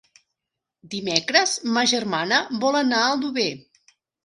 Dimecres ma germana vol anar a Aldover.